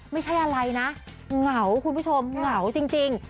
ไม่ใช่อะไรนะเหงาคุณผู้ชมเหงาจริง